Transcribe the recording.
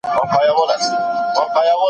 د مېوو خوړل د بدن د پوره سلامتیا لپاره نښه ده.